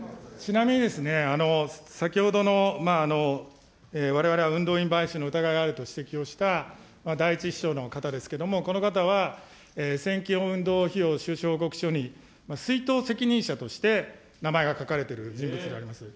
ちなみに、先ほどの、われわれは運動員買収の疑いがあると指摘をした第１秘書の方ですけれども、この方は選挙運動費用収支報告書に、出納責任者として、名前が書かれている人物であります。